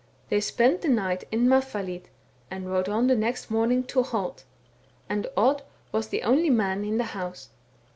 They spent the night in Mafvahli^, and rode on next morning to Holt : and Odd was the only man in the house.